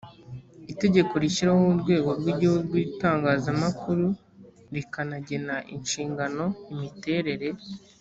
itegeko rishyiraho urwego rw igihugu rw itangazamakuru rikanagena inshingano imiterere